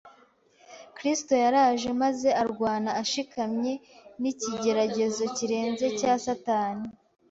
Kristo yaraje maze arwana ashikamye n’ikigeragezo kirenze cya Satani